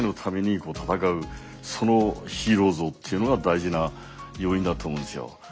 そのヒーロー像というのが大事な要因だと思うんですよ。